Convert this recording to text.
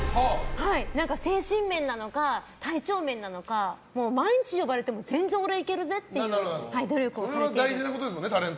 精神面なのか体調面なのか毎日呼ばれても全然、俺はいけるぜ！っていうそれは大事なことですよね。